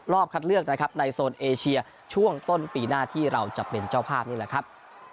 คัดเลือกนะครับในโซนเอเชียช่วงต้นปีหน้าที่เราจะเป็นเจ้าภาพนี่แหละครับ